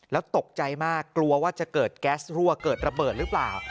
แล้วตกใจมากกลัวว่าจะเกิดแก๊สรั่วเกิดระเบิดหรือเปล่า